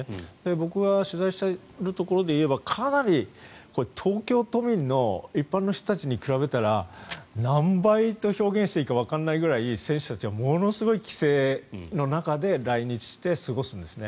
僕は取材しているところでいえばかなり東京都民の一般の人たちに比べたら何倍と表現していいかわからないくらい選手たちはものすごい規制の中で来日して過ごすんですね。